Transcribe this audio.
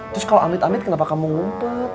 terus kalau amin amin kenapa kamu ngumpet